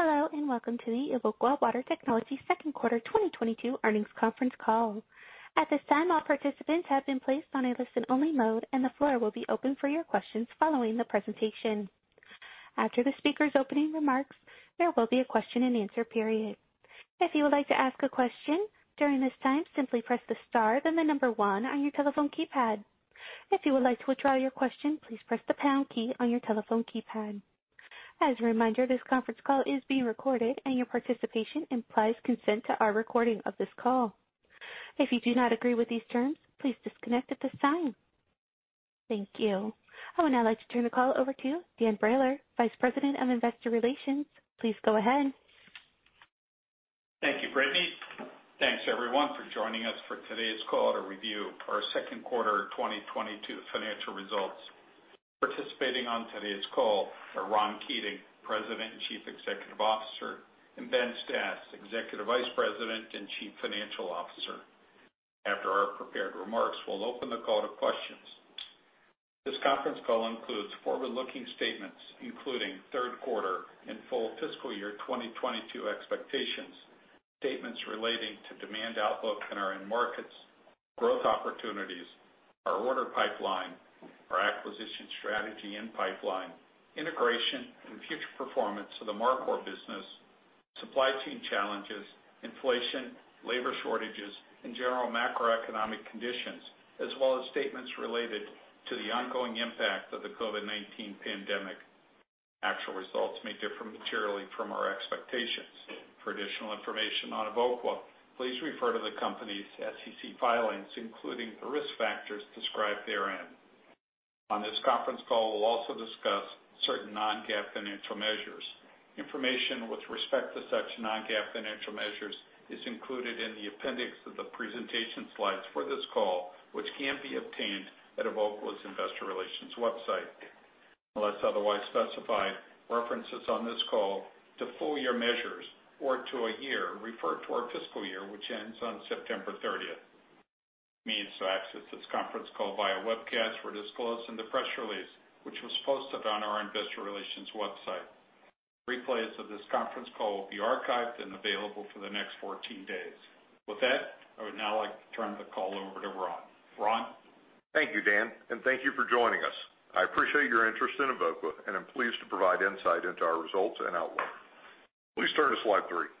Hello, and welcome to the Evoqua Water Technologies Second Quarter 2022 Earnings Conference Call. At this time, all participants have been placed on a listen-only mode, and the floor will be open for your questions following the presentation. After the speaker's opening remarks, there will be a question and answer period. If you would like to ask a question during this time, simply press star, then one on your telephone keypad. If you would like to withdraw your question, please press the pound key on your telephone keypad. As a reminder, this conference call is being recorded and your participation implies consent to our recording of this call. If you do not agree with these terms, please disconnect at this time. Thank you. I would now like to turn the call over to Dan Brailer, Vice President of Investor Relations. Please go ahead. Thank you, Brittany. Thanks everyone for joining us for today's call to review our Second Quarter 2022 Financial Results. Participating on today's call are Ron Keating, President and Chief Executive Officer, and Ben Stas, Executive Vice President and Chief Financial Officer. After our prepared remarks, we'll open the call to questions. This conference call includes forward-looking statements, including third quarter and full fiscal year 2022 expectations, statements relating to demand outlook in our end markets, growth opportunities, our order pipeline, our acquisition strategy and pipeline, integration and future performance of the Mar Cor business, supply chain challenges, inflation, labor shortages, and general macroeconomic conditions, as well as statements related to the ongoing impact of the COVID-19 pandemic. Actual results may differ materially from our expectations. For additional information on Evoqua, please refer to the company's SEC filings, including the risk factors described therein. On this conference call, we'll also discuss certain non-GAAP financial measures. Information with respect to such non-GAAP financial measures is included in the appendix of the presentation slides for this call, which can be obtained at Evoqua's investor relations website. Unless otherwise specified, references on this call to full year measures or to a year refer to our fiscal year, which ends on September 30th. Means to access this conference call via webcast were disclosed in the press release, which was posted on our investor relations website. Replays of this conference call will be archived and available for the next 14 days. With that, I would now like to turn the call over to Ron. Ron? Thank you, Dan, and thank you for joining us. I appreciate your interest in Evoqua, and I'm pleased to provide insight into our results and outlook. Please turn to slide three.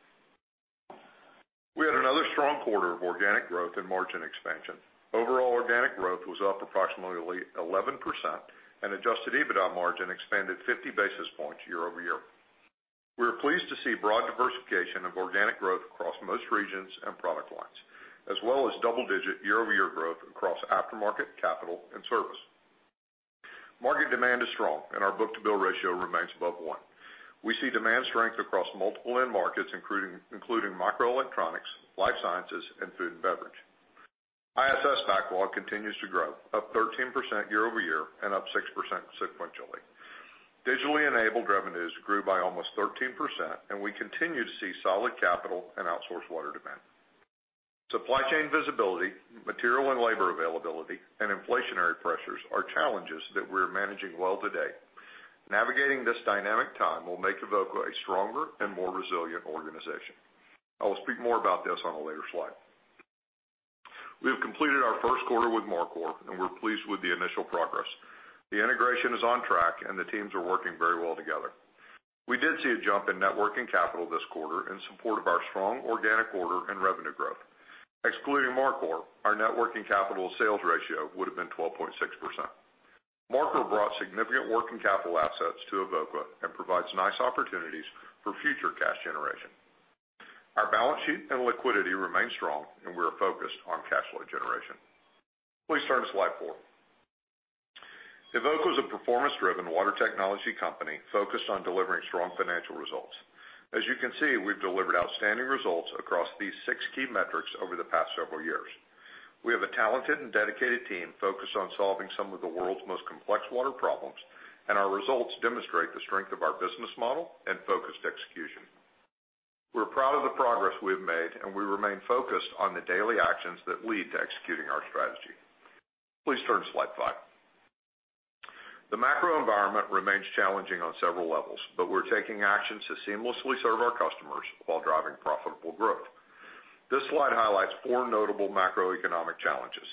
We had another strong quarter of organic growth and margin expansion. Overall organic growth was up approximately 11% and Adjusted EBITDA margin expanded 50 basis points year-over-year. We are pleased to see broad diversification of organic growth across most regions and product lines, as well as double-digit year-over-year growth across aftermarket, capital, and service. Market demand is strong and our book-to-bill ratio remains above one. We see demand strength across multiple end markets, including microelectronics, life sciences, and food and beverage. ISS backlog continues to grow, up 13% year-over-year and up 6% sequentially. Digitally enabled revenues grew by almost 13%, and we continue to see solid capital and outsourced water demand. Supply chain visibility, material and labor availability, and inflationary pressures are challenges that we are managing well today. Navigating this dynamic time will make Evoqua a stronger and more resilient organization. I will speak more about this on a later slide. We have completed our first quarter with Mar Cor, and we're pleased with the initial progress. The integration is on track and the teams are working very well together. We did see a jump in net working capital this quarter in support of our strong organic order and revenue growth. Excluding Mar Cor, our net working capital sales ratio would have been 12.6%. Mar Cor brought significant working capital assets to Evoqua and provides nice opportunities for future cash generation. Our balance sheet and liquidity remain strong and we are focused on cash flow generation. Please turn to slide four. Evoqua is a performance-driven water technology company focused on delivering strong financial results. As you can see, we've delivered outstanding results across these six key metrics over the past several years. We have a talented and dedicated team focused on solving some of the world's most complex water problems, and our results demonstrate the strength of our business model and focused execution. We're proud of the progress we have made, and we remain focused on the daily actions that lead to executing our strategy. Please turn to slide five. The macro environment remains challenging on several levels, but we're taking actions to seamlessly serve our customers while driving profitable growth. This slide highlights four notable macroeconomic challenges,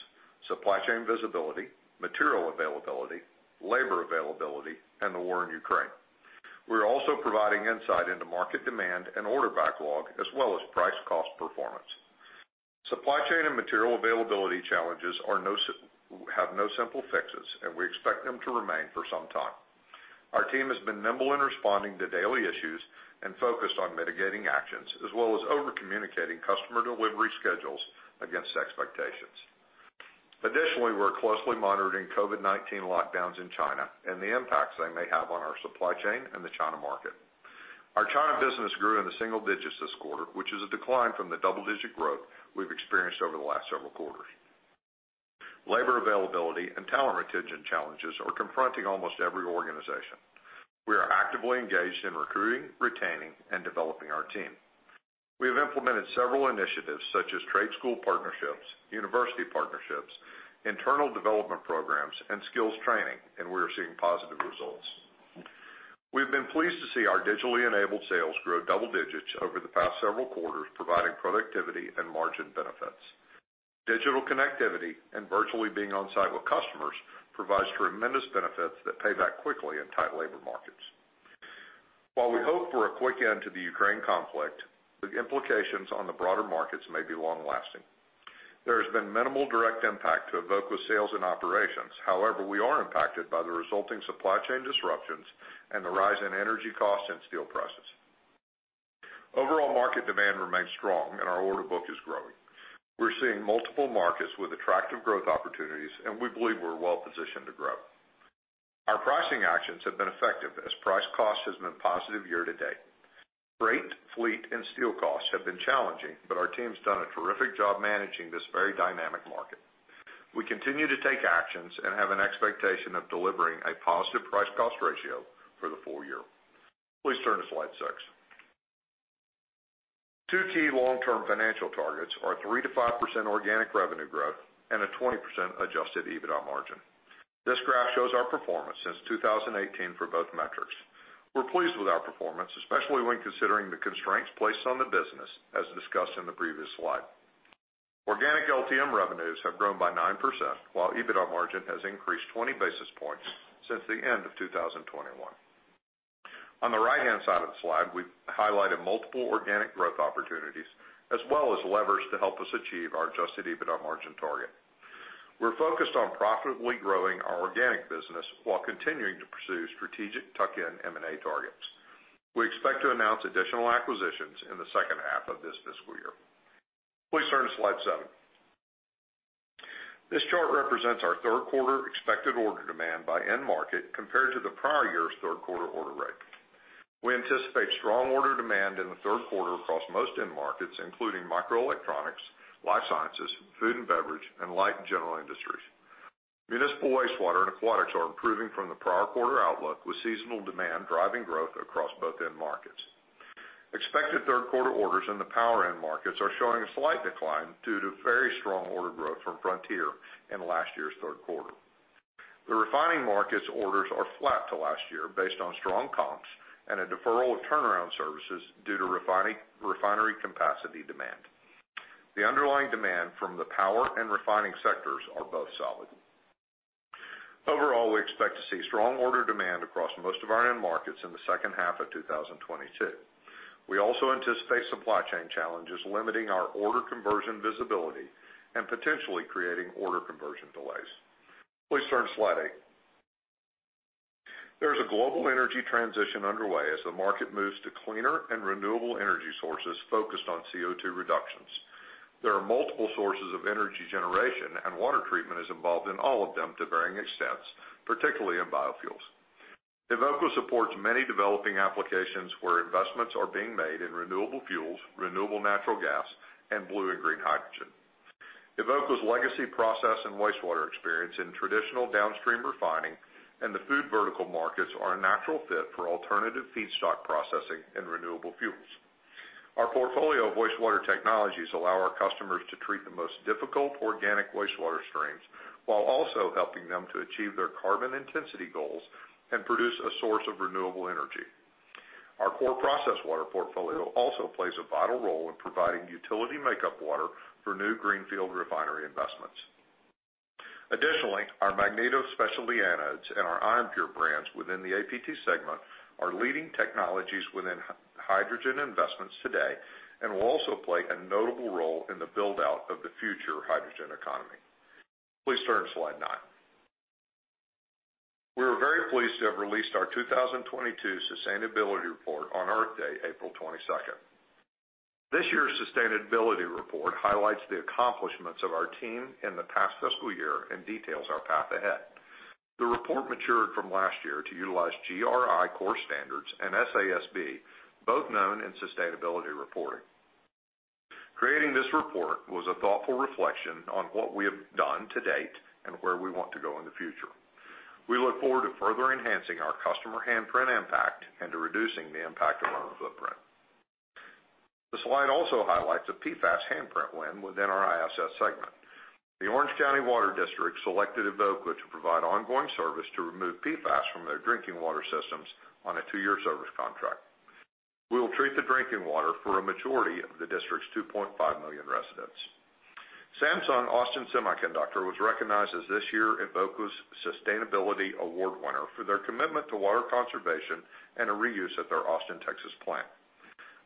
supply chain visibility, material availability, labor availability, and the war in Ukraine. We are also providing insight into market demand and order backlog, as well as price cost performance. Supply chain and material availability challenges have no simple fixes and we expect them to remain for some time. Our team has been nimble in responding to daily issues and focused on mitigating actions, as well as over-communicating customer delivery schedules against expectations. Additionally, we're closely monitoring COVID-19 lockdowns in China and the impacts they may have on our supply chain and the China market. Our China business grew in the single digits this quarter, which is a decline from the double-digit growth we've experienced over the last several quarters. Labor availability and talent retention challenges are confronting almost every organization. We are actively engaged in recruiting, retaining our team. We have implemented several initiatives such as trade school partnerships, university partnerships, internal development programs, and skills training, and we are seeing positive results. We've been pleased to see our digitally enabled sales grow double digits over the past several quarters, providing productivity and margin benefits. Digital connectivity and virtually being on site with customers provides tremendous benefits that pay back quickly in tight labor markets. While we hope for a quick end to the Ukraine conflict, the implications on the broader markets may be long-lasting. There has been minimal direct impact to Evoqua sales and operations. However, we are impacted by the resulting supply chain disruptions and the rise in energy costs and steel prices. Overall market demand remains strong and our order book is growing. We're seeing multiple markets with attractive growth opportunities, and we believe we're well positioned to grow. Our pricing actions have been effective as price cost has been positive year-to-date. Freight, fleet, and steel costs have been challenging, but our team's done a terrific job managing this very dynamic market. We continue to take actions and have an expectation of delivering a positive price-cost ratio for the full year. Please turn to slide six. Two key long-term financial targets are 3%-5% organic revenue growth and a 20% Adjusted EBITDA margin. This graph shows our performance since 2018 for both metrics. We're pleased with our performance, especially when considering the constraints placed on the business as discussed in the previous slide. Organic LTM revenues have grown by 9%, while EBITDA margin has increased 20 basis points since the end of 2021. On the right-hand side of the slide, we've highlighted multiple organic growth opportunities as well as levers to help us achieve our Adjusted EBITDA margin target. We're focused on profitably growing our organic business while continuing to pursue strategic tuck-in M&A targets. We expect to announce additional acquisitions in the second half of this fiscal year. Please turn to slide seven. This chart represents our third quarter expected order demand by end market compared to the prior year's third quarter order rate. We anticipate strong order demand in the third quarter across most end markets, including microelectronics, life sciences, food and beverage, and light general industries. Municipal wastewater and aquatics are improving from the prior quarter outlook, with seasonal demand driving growth across both end markets. Expected third quarter orders in the power end markets are showing a slight decline due to very strong order growth from Frontier in last year's third quarter. The refining markets orders are flat to last year based on strong comps and a deferral of turnaround services due to refinery capacity demand. The underlying demand from the power and refining sectors are both solid. Overall, we expect to see strong order demand across most of our end markets in the second half of 2022. We also anticipate supply chain challenges limiting our order conversion visibility and potentially creating order conversion delays. Please turn to slide eight. There is a global energy transition underway as the market moves to cleaner and renewable energy sources focused on CO₂ reductions. There are multiple sources of energy generation, and water treatment is involved in all of them to varying extents, particularly in biofuels. Evoqua supports many developing applications where investments are being made in renewable fuels, renewable natural gas, and blue and green hydrogen. Evoqua's legacy process and wastewater experience in traditional downstream refining and the food vertical markets are a natural fit for alternative feedstock processing and renewable fuels. Our portfolio of wastewater technologies allow our customers to treat the most difficult organic wastewater streams while also helping them to achieve their carbon intensity goals and produce a source of renewable energy. Our core process water portfolio also plays a vital role in providing utility makeup water for new greenfield refinery investments. Additionally, our Magneto specialty anodes and our Ionpure brands within the APT segment are leading technologies within hydrogen investments today and will also play a notable role in the build-out of the future hydrogen economy. Please turn to slide nine. We are very pleased to have released our 2022 sustainability report on Earth Day, April 22nd. This year's sustainability report highlights the accomplishments of our team in the past fiscal year and details our path ahead. The report matured from last year to utilize GRI core standards and SASB, both known in sustainability reporting. Creating this report was a thoughtful reflection on what we have done to date and where we want to go in the future. We look forward to further enhancing our customer handprint impact and to reducing the impact of our own footprint. The slide also highlights a PFAS handprint win within our ISS segment. The Orange County Water District selected Evoqua to provide ongoing service to remove PFAS from their drinking water systems on a two-year service contract. We will treat the drinking water for a majority of the district's 2.5 million residents. Samsung Austin Semiconductor was recognized as this year's Evoqua's Sustainability Award winner for their commitment to water conservation and reuse at their Austin, Texas plant.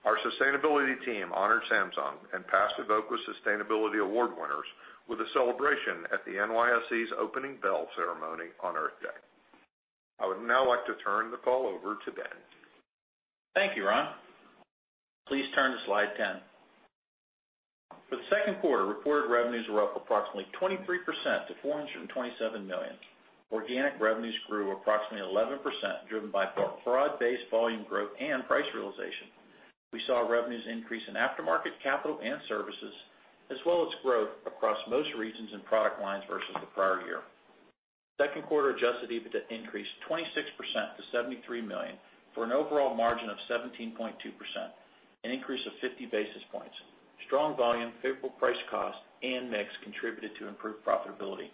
Our sustainability team honored Samsung and past Evoqua Sustainability Award winners with a celebration at the NYSE's opening bell ceremony on Earth Day. I would now like to turn the call over to Ben. Thank you, Ron. Please turn to slide 10. For the second quarter, reported revenues were up approximately 23% to $427 million. Organic revenues grew approximately 11%, driven by broad-based volume growth and price realization. We saw revenues increase in aftermarket, capital, and services, as well as growth across most regions and product lines versus the prior year. Second quarter Adjusted EBITDA increased 26% to $73 million for an overall margin of 17.2%, an increase of 50 basis points. Strong volume, favorable price-cost, and mix contributed to improved profitability.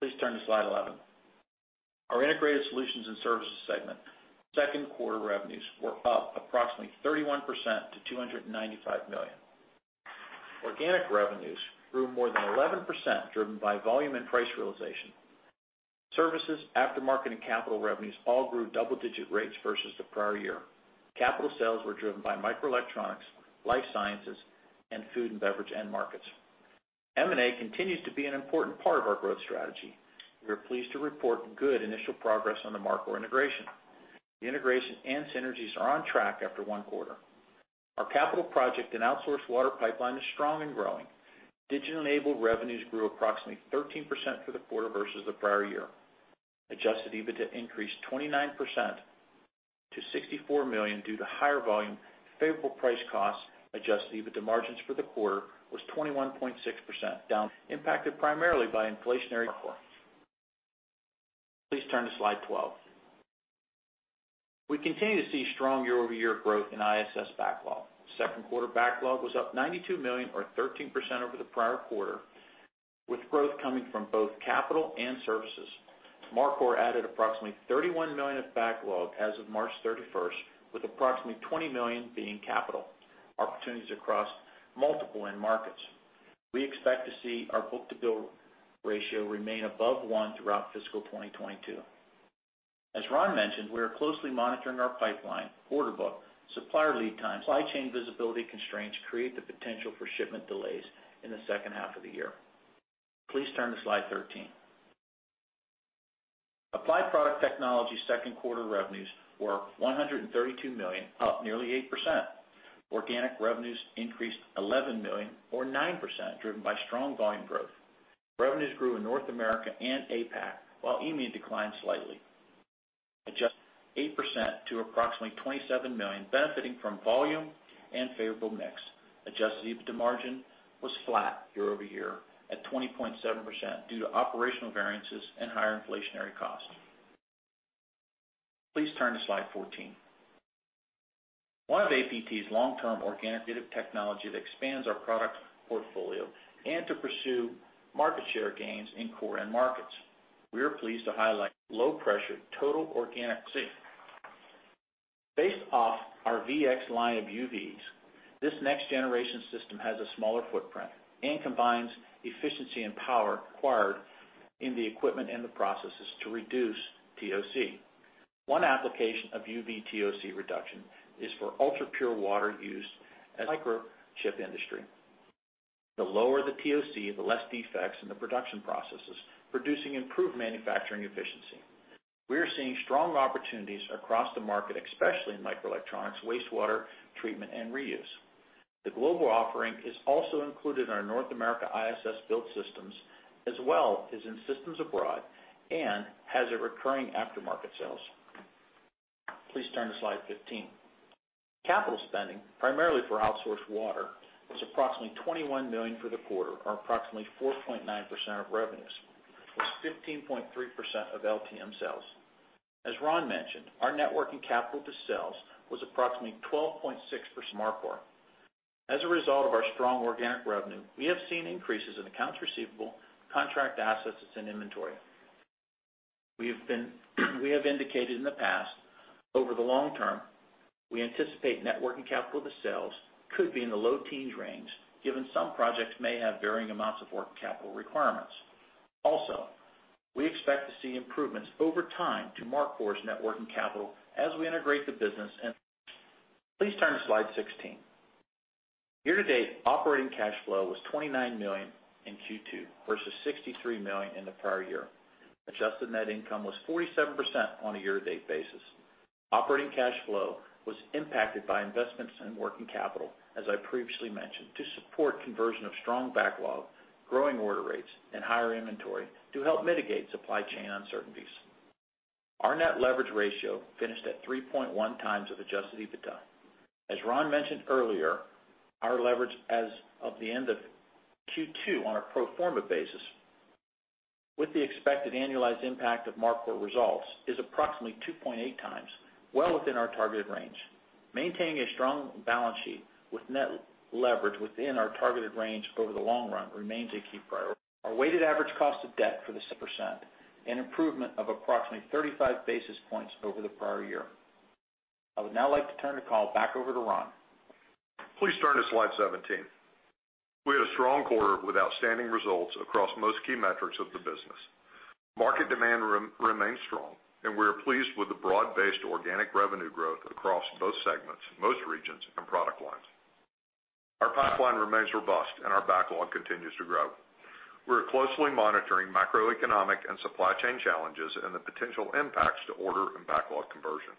Please turn to slide 11. Our Integrated Solutions and Services segment second quarter revenues were up approximately 31% to $295 million. Organic revenues grew more than 11%, driven by volume and price realization. Services, aftermarket, and capital revenues all grew double-digit rates versus the prior year. Capital sales were driven by microelectronics, life sciences, and food and beverage end markets. M&A continues to be an important part of our growth strategy. We are pleased to report good initial progress on the Mar Cor integration. The integration and synergies are on track after one quarter. Our capital project and outsourced water pipeline is strong and growing. Digital-enabled revenues grew approximately 13% for the quarter versus the prior year. Adjusted EBITDA increased 29% to $64 million due to higher volume, favorable price costs. Adjusted EBITDA margins for the quarter was 21.6% down, impacted primarily by inflationary costs. Please turn to slide 12. We continue to see strong year-over-year growth in ISS backlog. Second quarter backlog was up $92 million or 13% over the prior quarter, with growth coming from both capital and services. Mar Cor added approximately $31 million of backlog as of March 31, with approximately $20 million being capital opportunities across multiple end markets. We expect to see our book-to-bill ratio remain above one throughout fiscal 2022. As Ron mentioned, we are closely monitoring our pipeline, order book, supplier lead times. Supply chain visibility constraints create the potential for shipment delays in the second half of the year. Please turn to slide 13. Applied Product Technologies' second quarter revenues were $132 million, up nearly 8%. Organic revenues increased $11 million or 9%, driven by strong volume growth. Revenues grew in North America and APAC, while EMEA declined slightly. Adjusted EBITDA increased 8% to approximately $27 million, benefiting from volume and favorable mix. Adjusted EBITDA margin was flat year-over-year at 20.7% due to operational variances and higher inflationary costs. Please turn to slide 14. One of APT's long-term organic technology that expands our product portfolio and to pursue market share gains in core end markets. We are pleased to highlight low-pressure total organic. Based off our VX line of UVs, this next generation system has a smaller footprint and combines efficiency and power required in the equipment and the processes to reduce TOC. One application of UV TOC reduction is for ultrapure water used in microchip industry. The lower the TOC, the less defects in the production processes, producing improved manufacturing efficiency. We are seeing strong opportunities across the market, especially in microelectronics, wastewater treatment and reuse. The global offering is also included in our North American ISS-built systems, as well as in systems abroad, and has a recurring aftermarket sales. Please turn to slide 15. Capital spending, primarily for outsourced water, was approximately $21 million for the quarter or approximately 4.9% of revenues, +15.3% of LTM sales. As Ron mentioned, our net working capital to sales was approximately 12.6% Mar Cor. As a result of our strong organic revenue, we have seen increases in accounts receivable, contract assets, and inventory. We have indicated in the past, over the long term, we anticipate net working capital to sales could be in the low teens range, given some projects may have varying amounts of working capital requirements. Also, we expect to see improvements over time to Mar Cor's net working capital as we integrate the business. Please turn to slide 16. Year-to-date operating cash flow was $29 million in Q2 versus $63 million in the prior year. Adjusted net income was 47% on a year-to-date basis. Operating cash flow was impacted by investments in working capital, as I previously mentioned, to support conversion of strong backlog, growing order rates, and higher inventory to help mitigate supply chain uncertainties. Our net leverage ratio finished at 3.1x Adjusted EBITDA. As Ron mentioned earlier, our leverage as of the end of Q2 on a pro forma basis with the expected annualized impact of Mar Cor results is approximately 2.8x, well within our targeted range. Maintaining a strong balance sheet with net leverage within our targeted range over the long run remains a key priority. Our weighted average cost of debt for the second quarter was 3.5%, an improvement of approximately 35 basis points over the prior year. I would now like to turn the call back over to Ron. Please turn to slide 17. We had a strong quarter with outstanding results across most key metrics of the business. Market demand remains strong, and we are pleased with the broad-based organic revenue growth across both segments, most regions, and product lines. Our pipeline remains robust and our backlog continues to grow. We are closely monitoring macroeconomic and supply chain challenges and the potential impacts to order and backlog conversion.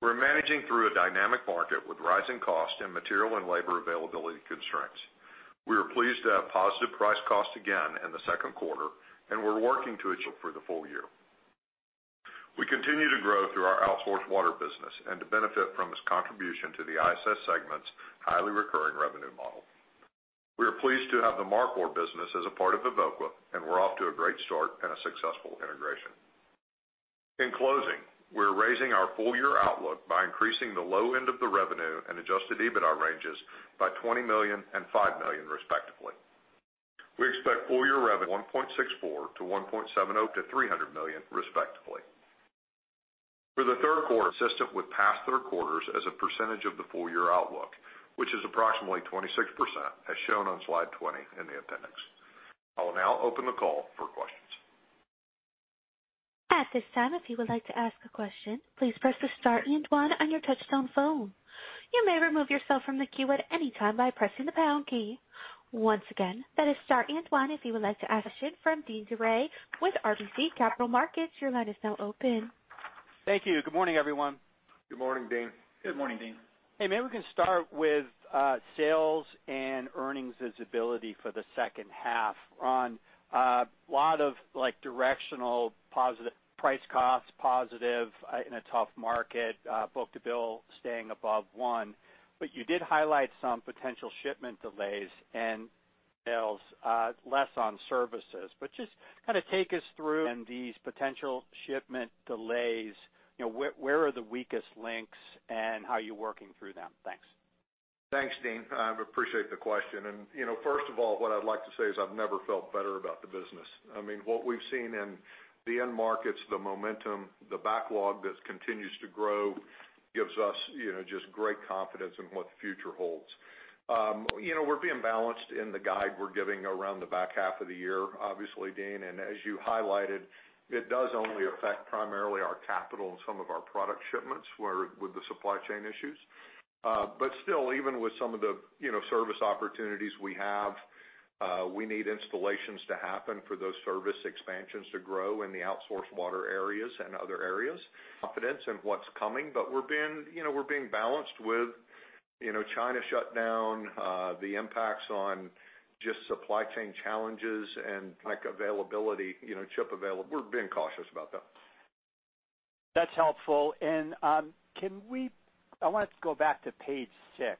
We're managing through a dynamic market with rising costs and material and labor availability constraints. We are pleased to have positive price cost again in the second quarter, and we're working to achieve for the full year. Through our outsourced water business and to benefit from its contribution to the ISS segment's highly recurring revenue model. We are pleased to have the Mar Cor business as a part of Evoqua, and we're off to a great start and a successful integration. In closing, we're raising our full-year outlook by increasing the low end of the revenue and Adjusted EBITDA ranges by $20 million and $5 million, respectively. We expect full-year revenue $1.64-$1.70 to $300 million, respectively. For the third quarter, consistent with past third quarters as a percentage of the full-year outlook, which is approximately 26%, as shown on slide 20 in the appendix. I will now open the call for questions. At this time, if you would like to ask a question, please press the star and one on your touch-tone phone. You may remove yourself from the queue at any time by pressing the pound key. Once again, that is star and one if you would like to ask. Question from Deane Dray with RBC Capital Markets. Your line is now open. Thank you. Good morning, everyone. Good morning, Deane. Good morning, Deane Dray. Hey, maybe we can start with sales and earnings visibility for the second half. On a lot of, like, directional positive, price/cost positive in a tough market, book-to-bill staying above one. You did highlight some potential shipment delays and sales less on services. Just kinda take us through these potential shipment delays. You know, where are the weakest links and how are you working through them? Thanks. Thanks, Deane. I appreciate the question. You know, first of all, what I'd like to say is I've never felt better about the business. I mean, what we've seen in the end markets, the momentum, the backlog that continues to grow gives us, you know, just great confidence in what the future holds. You know, we're being balanced in the guide we're giving around the back half of the year, obviously, Deane. As you highlighted, it does only affect primarily our capital and some of our product shipments, with the supply chain issues. But still, even with some of the, you know, service opportunities we have, we need installations to happen for those service expansions to grow in the outsourced water areas and other areas. Confidence in what's coming, but we're being, you know, balanced with, you know, China shutdown, the impacts on just supply chain challenges and, like, availability, you know. We're being cautious about that. That's helpful. I wanted to go back to page six,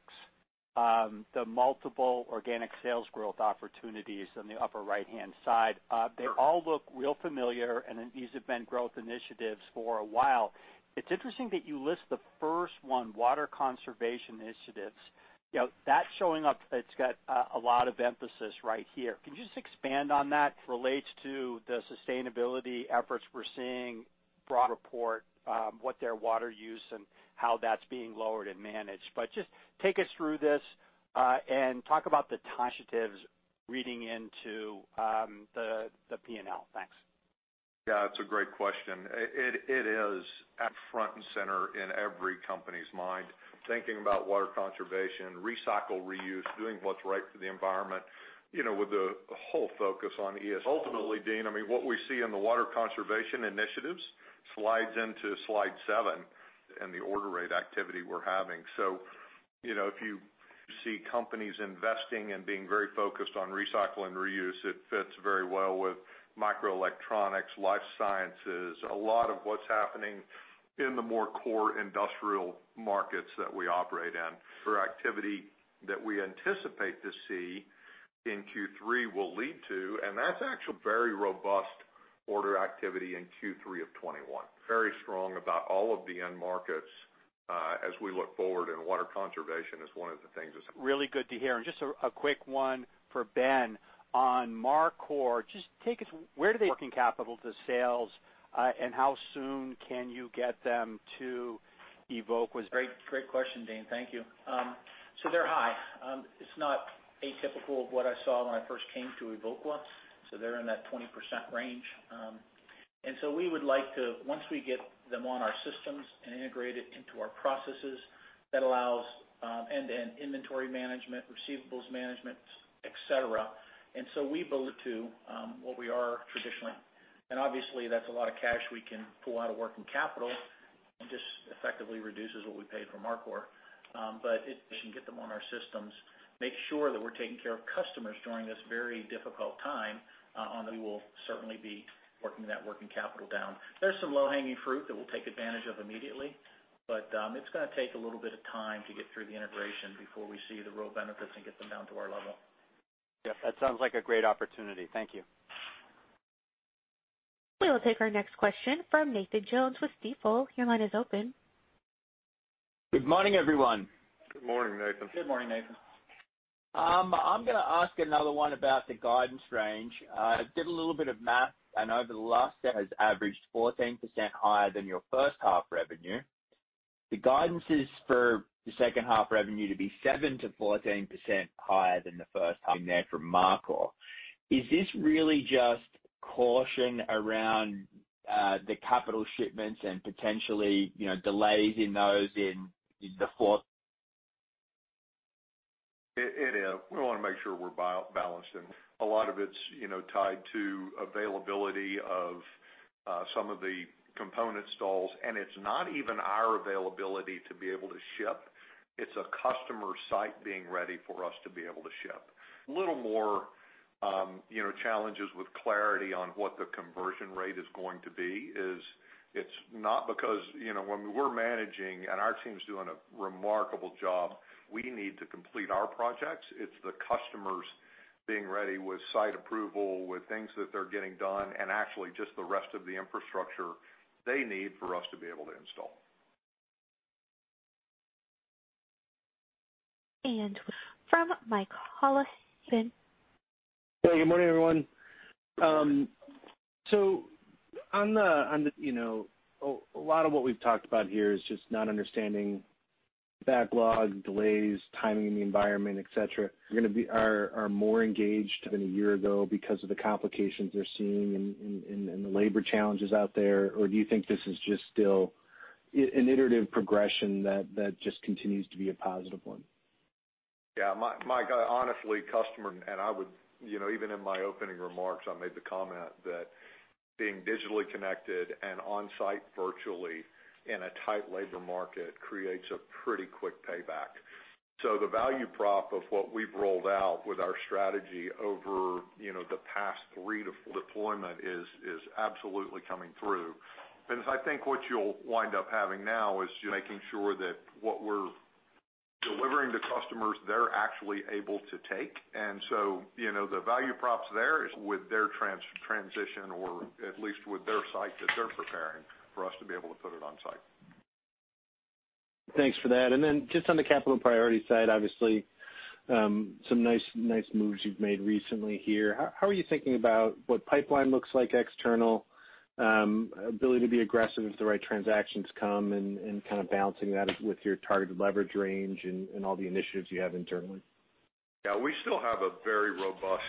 the multiple organic sales growth opportunities on the upper right-hand side. They all look real familiar, and then these have been growth initiatives for a while. It's interesting that you list the first one, water conservation initiatives. You know, that's showing up. It's got a lot of emphasis right here. Can you just expand on that? Relates to the sustainability efforts we're seeing. Broad report, what their water use and how that's being lowered and managed. Just take us through this, and talk about the initiatives reading into, the P&L. Thanks. Yeah, it's a great question. It is at front and center in every company's mind, thinking about water conservation, recycle, reuse, doing what's right for the environment, you know, with the whole focus on ESG. Ultimately, Deane, I mean, what we see in the water conservation initiatives slides into slide seven and the order rate activity we're having. You know, if you see companies investing and being very focused on recycle and reuse, it fits very well with microelectronics, life sciences, a lot of what's happening in the more core industrial markets that we operate in. For activity that we anticipate to see in Q3 will lead to, and that's actually very robust order activity in Q3 of 2021. Very strong about all of the end markets, as we look forward, and water conservation is one of the things that's. Really good to hear. Just a quick one for Ben. On Mar Cor, just take us where do they. Working capital to sales, and how soon can you get them to Evoqua's? Great question, Deane. Thank you. They're high. It's not atypical of what I saw when I first came to Evoqua, so they're in that 20% range. Once we get them on our systems and integrated into our processes, that allows end-to-end inventory management, receivables management, et cetera. We believe that to be what we are traditionally. Obviously that's a lot of cash we can pull out of working capital and just effectively reduces what we paid for Mar Cor. We can get them on our systems, make sure that we're taking care of customers during this very difficult time. We will certainly be working that working capital down. There's some low-hanging fruit that we'll take advantage of immediately, but it's gonna take a little bit of time to get through the integration before we see the real benefits and get them down to our level. Yeah, that sounds like a great opportunity. Thank you. We will take our next question from Nathan Jones with Stifel. Your line is open. Good morning, everyone. Good morning, Nathan. Good morning, Nathan. I'm gonna ask another one about the guidance range. Did a little bit of math, and over the last six has averaged 14% higher than your first half revenue. The guidance is for the second half revenue to be 7%-14% higher than the first half there for Mar Cor. Is this really just caution around the capital shipments and potentially, you know, delays in those in the fourth- It is. We wanna make sure we're balanced, and a lot of it's, you know, tied to availability of some of the component supplies. It's not even our availability to be able to ship. It's a customer site being ready for us to be able to ship. A little more, you know, challenges with clarity on what the conversion rate is going to be is, it's not because, you know, when we're managing and our team's doing a remarkable job, we need to complete our projects. It's the customers being ready with site approval, with things that they're getting done, and actually just the rest of the infrastructure they need for us to be able to install. From Michael Halloran. Good morning, everyone. On the, you know, a lot of what we've talked about here is just not understanding backlog delays, timing in the environment, et cetera, are more engaged than a year ago because of the complications they're seeing and the labor challenges out there. Do you think this is just still an iterative progression that just continues to be a positive one? Yeah. Mike, honestly, customer and I would, you know, even in my opening remarks, I made the comment that being digitally connected and on-site virtually in a tight labor market creates a pretty quick payback. The value prop of what we've rolled out with our strategy over, you know, the past three to four deployment is absolutely coming through. Because I think what you'll wind up having now is making sure that what we're delivering to customers, they're actually able to take. You know, the value props there is with their transition or at least with their site that they're preparing for us to be able to put it on site. Thanks for that. Just on the capital priority side, obviously, some nice moves you've made recently here. How are you thinking about what pipeline looks like externally, ability to be aggressive if the right transactions come and kind of balancing that with your targeted leverage range and all the initiatives you have internally? Yeah, we still have a very robust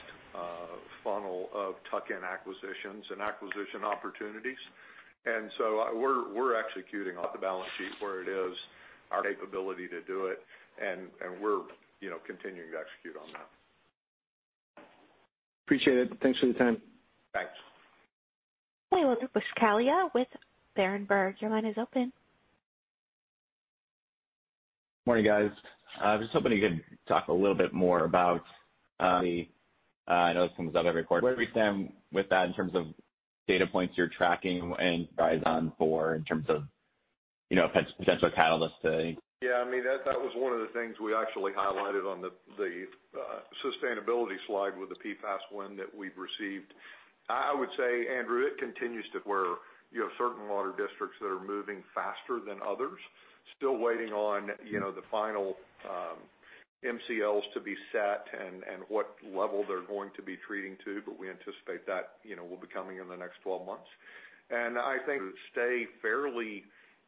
funnel of tuck-in acquisitions and acquisition opportunities. We're executing off the balance sheet where it is our capability to do it and we're, you know, continuing to execute on that. Appreciate it. Thanks for your time. Thanks. We'll go to Andrew Kaplowitz with Citi. Your line is open. Morning, guys. I was hoping you could talk a little bit more about the, I know this comes up every quarter, where we stand with that in terms of data points you're tracking and eyes on for in terms of, you know, potential catalyst to any- Yeah, I mean, that was one of the things we actually highlighted on the sustainability slide with the PFAS win that we've received. I would say, Andrew, it continues to where you have certain water districts that are moving faster than others, still waiting on, you know, the final MCLs to be set and what level they're going to be treating to, but we anticipate that, you know, will be coming in the next 12 months. I think stay fairly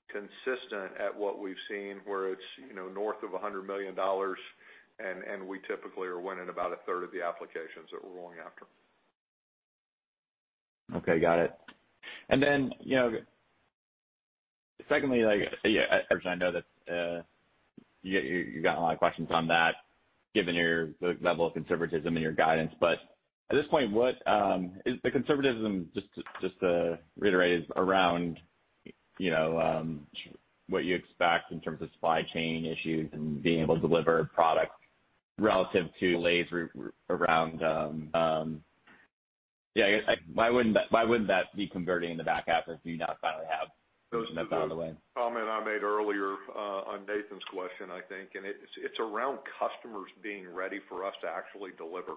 consistent at what we've seen, where it's, you know, north of $100 million, and we typically are winning about a 1/3 of the applications that we're going after. Okay, got it. Then you know, secondly, like, yeah, I know that you got a lot of questions on that given the level of conservatism in your guidance. At this point, what is the conservatism just to reiterate is around you know what you expect in terms of supply chain issues and being able to deliver products relative to delays around. Yeah, I guess, why wouldn't that be converting in the back half if you now finally have those out of the way? Comment I made earlier on Nathan's question, I think, and it's around customers being ready for us to actually deliver.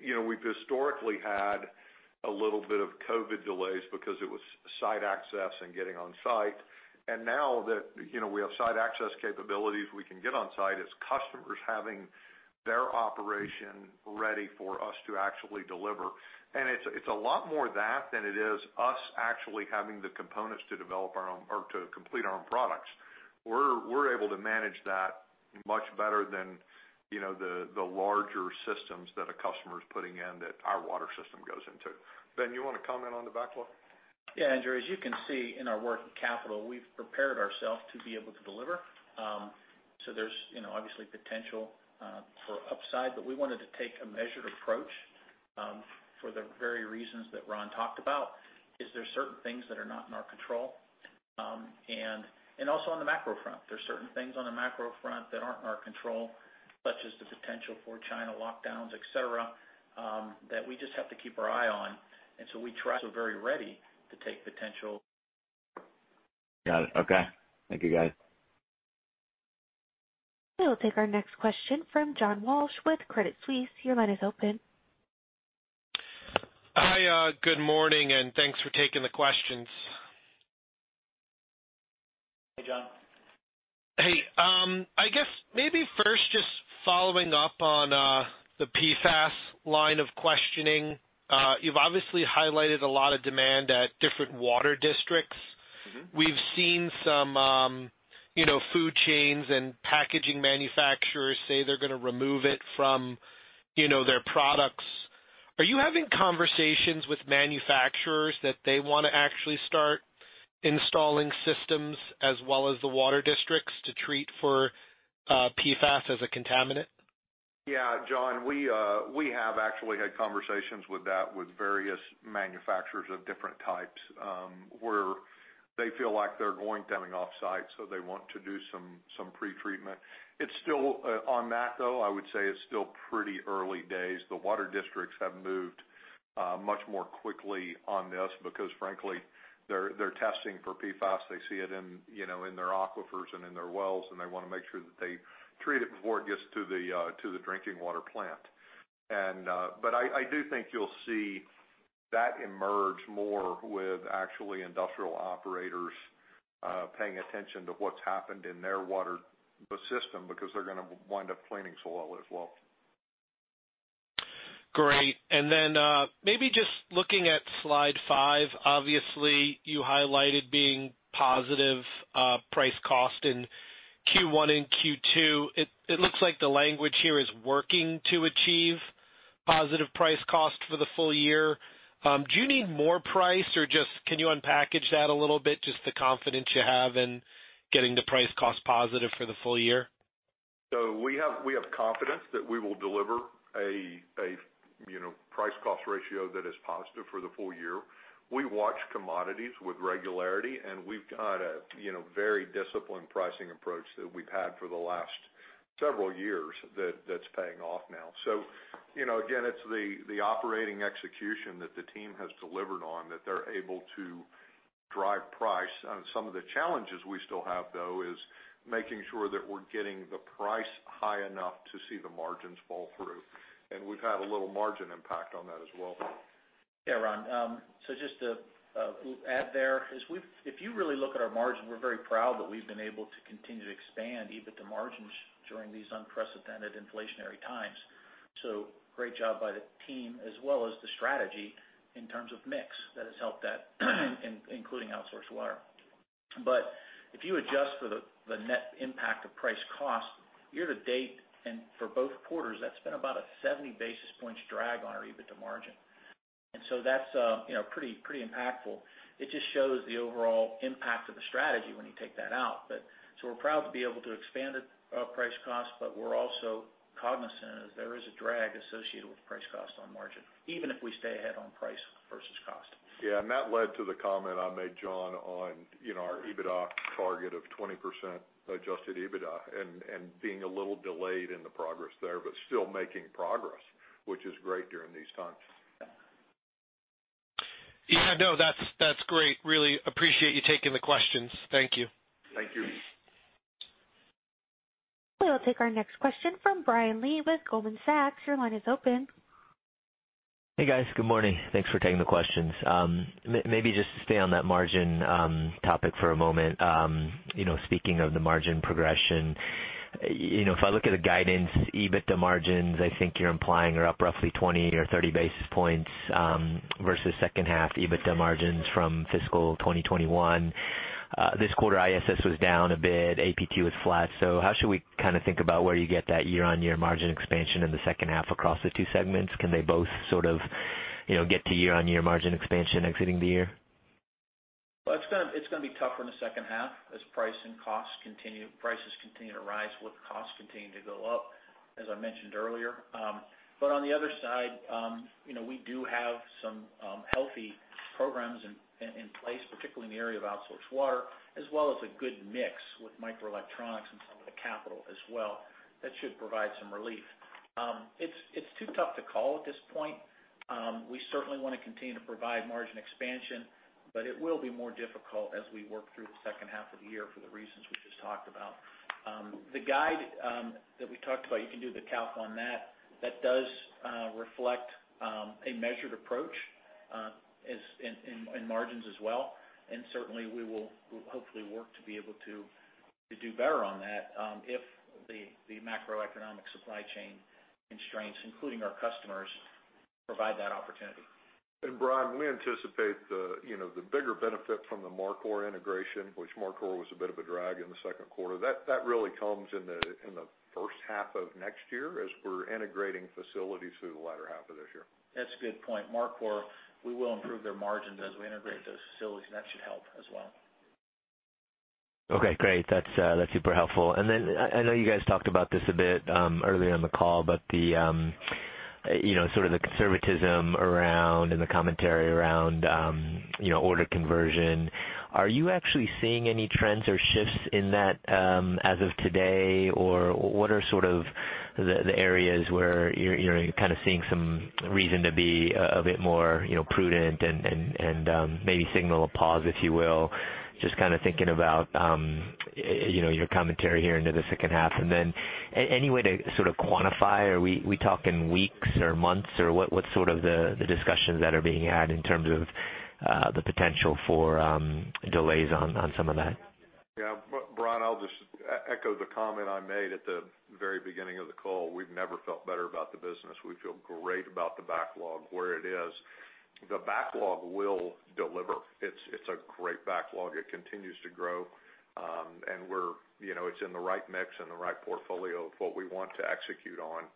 You know, we've historically had a little bit of COVID delays because it was site access and getting on site. Now that, you know, we have site access capabilities, we can get on site, it's customers having their operation ready for us to actually deliver. It's a lot more that than it is us actually having the components to develop our own or to complete our own products. We're able to manage that much better than, you know, the larger systems that a customer is putting in that our water system goes into. Ben, you wanna comment on the backlog? Yeah. Andrew, as you can see in our working capital, we've prepared ourselves to be able to deliver. There's, you know, obviously potential for upside. We wanted to take a measured approach for the very reasons that Ron talked about. There are certain things that are not in our control, and also on the macro front, there are certain things on the macro front that aren't in our control, such as the potential for China lockdowns, et cetera, that we just have to keep our eye on. We're so very ready to take potential. Got it. Okay. Thank you, guys. We'll take our next question from John Walsh with Credit Suisse. Your line is open. Hi. Good morning, and thanks for taking the questions. Hey, John. Hey, I guess maybe first just following up on the PFAS line of questioning. You've obviously highlighted a lot of demand at different water districts. Mm-hmm. We've seen some, you know, food chains and packaging manufacturers say they're gonna remove it from, you know, their products. Are you having conversations with manufacturers that they wanna actually start installing systems as well as the water districts to treat for as a contaminant? Yeah, John, we have actually had conversations with that with various manufacturers of different types, where they feel like they're coming off site, so they want to do some pretreatment. It's still on that, though, I would say it's still pretty early days. The water districts have moved much more quickly on this because frankly, they're testing for PFAS. They see it in, you know, in their aquifers and in their wells, and they wanna make sure that they treat it before it gets to the drinking water plant. But I do think you'll see that emerge more with actually industrial operators paying attention to what's happened in their water system because they're gonna wind up cleaning soil as well. Great. Maybe just looking at slide five, obviously you highlighted being positive price cost in Q1 and Q2. It looks like the language here is working to achieve positive price cost for the full year. Do you need more price or just can you unpack that a little bit, just the confidence you have in getting the price cost positive for the full year? We have confidence that we will deliver a you know price cost ratio that is positive for the full year. We watch commodities with regularity, and we've got a you know very disciplined pricing approach that we've had for the last several years that's paying off now. You know, again, it's the operating execution that the team has delivered on that they're able to drive price. Some of the challenges we still have, though, is making sure that we're getting the price high enough to see the margins fall through, and we've had a little margin impact on that as well. Yeah, Ron. Just to add, we've, if you really look at our margin, we're very proud that we've been able to continue to expand EBITDA margins during these unprecedented inflationary times. Great job by the team as well as the strategy in terms of mix that has helped that, including outsourced water. If you adjust for the net impact of price cost year to date and for both quarters, that's been about a 70 basis points drag on our EBITDA margin. That's pretty impactful. It just shows the overall impact of the strategy when you take that out. We're proud to be able to expand it, price cost, but we're also cognizant as there is a drag associated with price cost on margin, even if we stay ahead on price versus cost. Yeah. That led to the comment I made, John, on, you know, our EBITDA target of 20% Adjusted EBITDA and being a little delayed in the progress there, but still making progress, which is great during these times. Yeah. Yeah. No, that's great. Really appreciate you taking the questions. Thank you. Thank you. We'll take our next question from Brian Lee with Goldman Sachs. Your line is open. Hey, guys. Good morning. Thanks for taking the questions. Maybe just to stay on that margin topic for a moment. You know, speaking of the margin progression, you know, if I look at the guidance, EBITDA margins, I think you're implying are up roughly 20 or 30 basis points versus second half EBITDA margins from fiscal 2021. This quarter, ISS was down a bit, APT was flat. How should we kind of think about where you get that year-on-year margin expansion in the second half across the two segments? Can they both sort of, you know, get to year-on-year margin expansion exiting the year? Well, it's gonna be tougher in the second half as prices continue to rise with costs continuing to go up, as I mentioned earlier. On the other side, you know, we do have some healthy programs in place, particularly in the area of outsourced water, as well as a good mix with microelectronics and some of the capital as well. That should provide some relief. It's too tough to call at this point. We certainly wanna continue to provide margin expansion, but it will be more difficult as we work through the second half of the year for the reasons we just talked about. The guide that we talked about, you can do the calc on that. That does reflect a measured approach as in margins as well. Certainly we will hopefully work to be able to do better on that, if the macroeconomic supply chain constraints, including our customers, provide that opportunity. Brian, we anticipate, you know, the bigger benefit from the Mar Cor integration, which Mar Cor was a bit of a drag in the second quarter. That really comes in the first half of next year as we're integrating facilities through the latter half of this year. That's a good point. Mar Cor, we will improve their margins as we integrate those facilities, and that should help as well. Okay, great. That's super helpful. Then I know you guys talked about this a bit earlier in the call, but the, you know, sort of the conservatism around and the commentary around, you know, order conversion. Are you actually seeing any trends or shifts in that, as of today? Or what are sort of the areas where you're kind of seeing some reason to be a bit more, you know, prudent and maybe signal a pause, if you will? Just kind of thinking about, you know, your commentary here into the second half. Then any way to sort of quantify? Are we talking weeks or months or what's sort of the discussions that are being had in terms of, the potential for, delays on some of that? Yeah. Brian, I'll just echo the comment I made at the very beginning of the call. We've never felt better about the business. We feel great about the backlog, where it is. The backlog will deliver. It's a great backlog. It continues to grow. We're, you know, it's in the right mix and the right portfolio of what we want to execute on,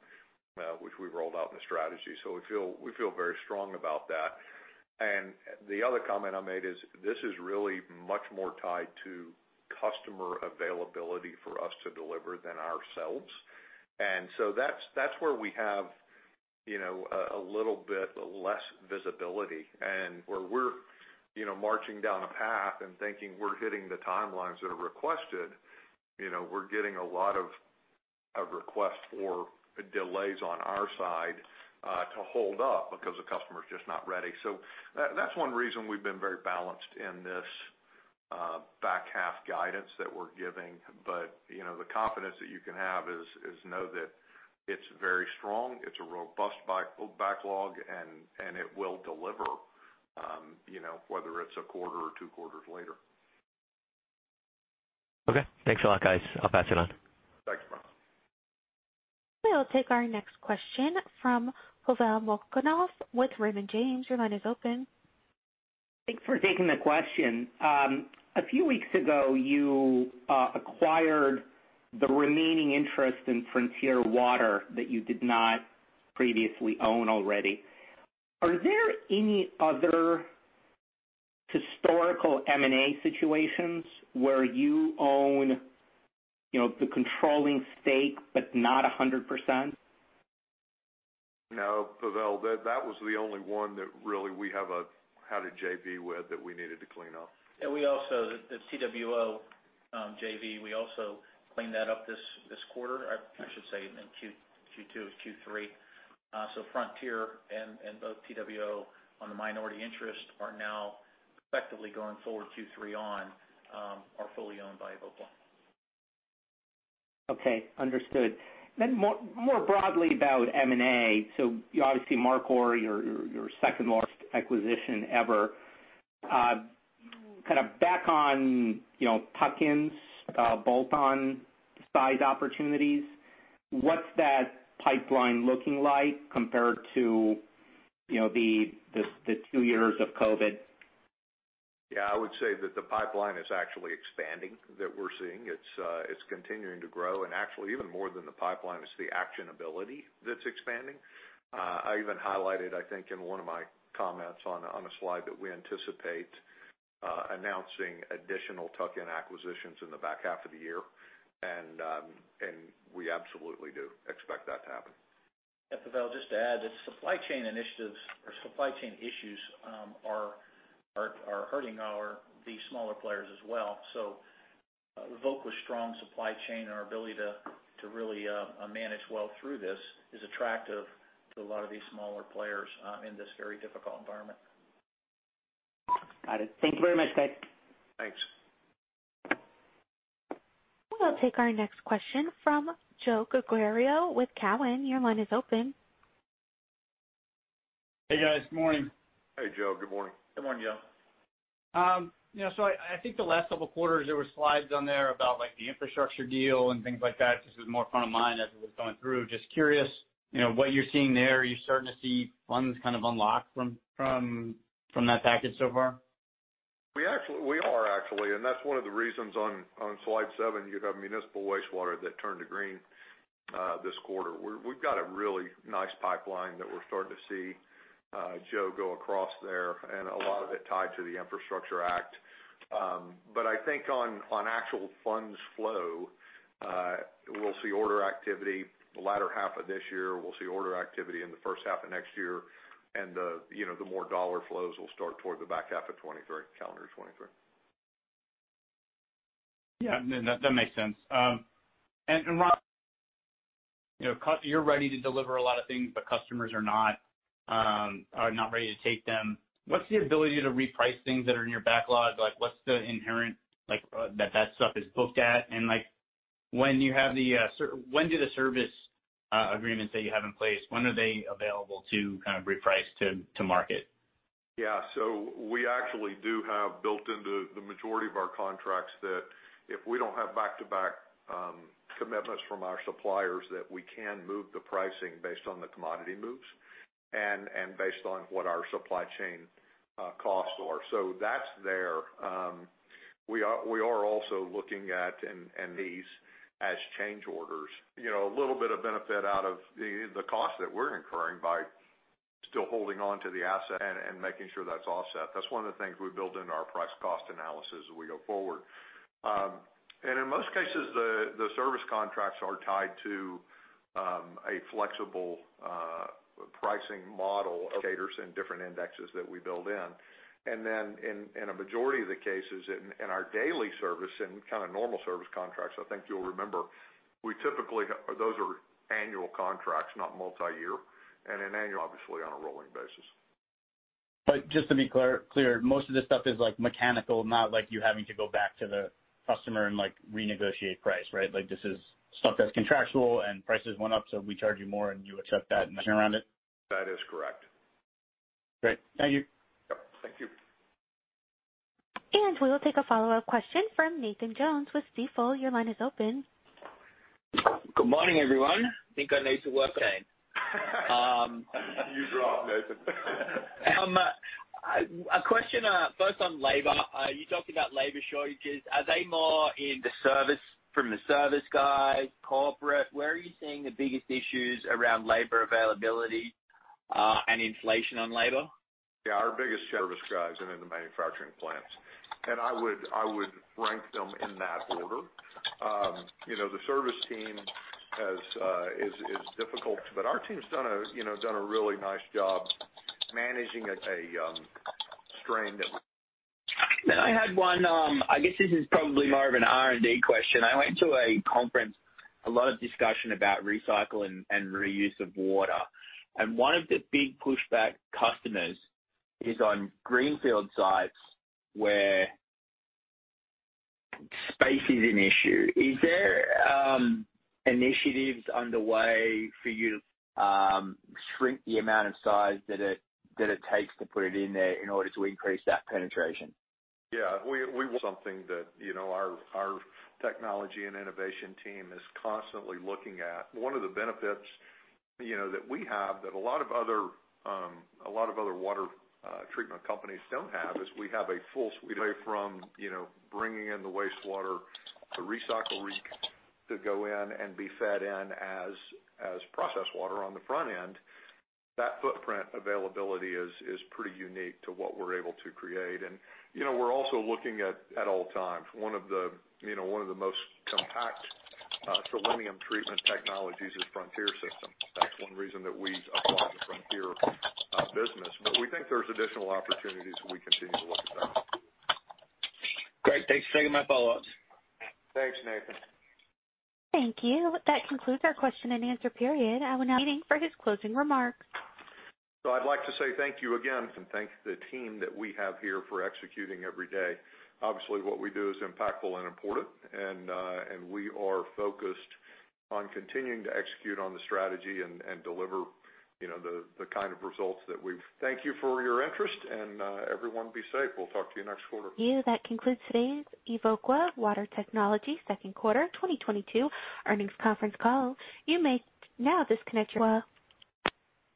which we've rolled out in the strategy. We feel very strong about that. The other comment I made is this is really much more tied to customer availability for us to deliver than ourselves. That's where we have, you know, a little bit less visibility and where we're, you know, marching down a path and thinking we're hitting the timelines that are requested. You know, we're getting a lot of requests for delays on our side to hold up because the customer is just not ready. That's one reason we've been very balanced in this back half guidance that we're giving. You know, the confidence that you can have is to know that it's very strong, it's a robust backlog, and it will deliver, you know, whether it's a quarter or two quarters later. Okay, thanks a lot, guys. I'll pass it on. Thanks, Ron. We'll take our next question from Pavel Molchanov with Raymond James. Your line is open. Thanks for taking the question. A few weeks ago, you acquired the remaining interest in Frontier Water that you did not previously own already. Are there any other historical M&A situations where you own, you know, the controlling stake but not 100%? No, Pavel. That was the only one that really we have had a JV with that we needed to clean up. We also cleaned that up this quarter. I should say in Q2 and Q3. Frontier and both W2O on the minority interest are now effectively going forward Q3 on fully owned by Evoqua. Okay, understood. More broadly about M&A. You obviously, Mar Cor, your second largest acquisition ever. Kind of back on, you know, tuck-ins, bolt-on size opportunities. What's that pipeline looking like compared to, you know, the two years of COVID? Yeah, I would say that the pipeline is actually expanding, that we're seeing. It's continuing to grow. Actually even more than the pipeline is the actionability that's expanding. I even highlighted, I think, in one of my comments on a slide that we anticipate announcing additional tuck-in acquisitions in the back half of the year. We absolutely do expect that to happen. Yeah. Pavel, just to add that supply chain initiatives or supply chain issues are hurting these smaller players as well. Evoqua's strong supply chain and our ability to really manage well through this is attractive to a lot of these smaller players in this very difficult environment. Got it. Thank you very much, guys. Thanks. We'll take our next question from Joe Giordano with TD Cowen. Your line is open. Hey, guys. Morning. Hey, Joe. Good morning. Good morning, Joe. You know, I think the last couple of quarters there were slides on there about like the infrastructure deal and things like that. This was more front of mind as it was going through. Just curious, you know, what you're seeing there. Are you starting to see funds kind of unlock from that package so far? We are actually. That's one of the reasons on slide seven, you have municipal wastewater that turned to green this quarter. We've got a really nice pipeline that we're starting to see, Joe, go across there and a lot of it tied to the Infrastructure Act. I think on actual funds flow, we'll see order activity the latter half of this year. We'll see order activity in the first half of next year. You know, the more dollar flows will start toward the back half of 2023, calendar 2023. Yeah. No, that makes sense. Ron, you know, you're ready to deliver a lot of things, but customers are not ready to take them. What's the ability to reprice things that are in your backlog? Like, what's the inherent like, that stuff is booked at? Like, when do the service agreements that you have in place, when are they available to kind of reprice to market? Yeah. We actually do have built into the majority of our contracts that if we don't have back-to-back commitments from our suppliers, that we can move the pricing based on the commodity moves and based on what our supply chain costs are. That's there. We are also looking at these as change orders, you know, a little bit of benefit out of the cost that we're incurring by still holding on to the asset and making sure that's offset. That's one of the things we build into our price cost analysis as we go forward. In most cases, the service contracts are tied to a flexible pricing model catering to different indexes that we build in. In a majority of the cases in our daily service and kind of normal service contracts, I think you'll remember, we typically have those are annual contracts, not multi-year and an annual, obviously on a rolling basis. Just to be clear, most of this stuff is like mechanical, not like you're having to go back to the customer and like renegotiate price, right? Like, this is stuff that's contractual and prices went up, so we charge you more and you accept that and turn around it. That is correct. Great. Thank you. Yep. Thank you. We will take a follow-up question from Nathan Jones with Stifel. Your line is open. Good morning, everyone. I think I need to work again. You rock, Nathan. A question, first on labor. You talked about labor shortages. Are they more in the service, from the service guys, corporate, where are you seeing the biggest issues around labor availability, and inflation on labor? Yeah, our biggest service guys are in the manufacturing plants. I would rank them in that order. You know, the service team is difficult, but our team's done a really nice job managing a strain that. I had one, I guess this is probably more of an R&D question. I went to a conference, a lot of discussion about recycle and reuse of water. One of the big push back customers is on greenfield sites where space is an issue. Is there initiatives underway for you shrink the amount of size that it takes to put it in there in order to increase that penetration? Yeah. Something that, you know, our technology and innovation team is constantly looking at. One of the benefits, you know, that we have that a lot of other water treatment companies don't have, is we have a full suite from, you know, bringing in the wastewater to recycle it to go in and be fed in as processed water on the front end. That footprint availability is pretty unique to what we're able to create. You know, we're also looking at all times. One of the most compact selenium treatment technologies is Frontier Water Systems. That's one reason that we acquired the Frontier Water Systems business. We think there's additional opportunities, so we continue to look at that. Great. Thanks. Those are my follow-ups. Thanks, Nathan. Thank you. That concludes our question and answer period. I'd like to say thank you again, and thank the team that we have here for executing every day. Obviously, what we do is impactful and important, and we are focused on continuing to execute on the strategy and deliver, you know, the kind of results that we've. Thank you for your interest and everyone be safe. We'll talk to you next quarter. you. That concludes today's Evoqua Water Technologies Second Quarter 2022 Earnings Conference Call. You may now disconnect your